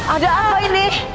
ada apa ini